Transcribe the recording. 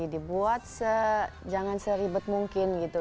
dibuat jangan seribet mungkin gitu